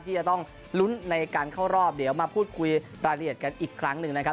ที่จะต้องลุ้นในการเข้ารอบเดี๋ยวมาพูดคุยรายละเอียดกันอีกครั้งหนึ่งนะครับ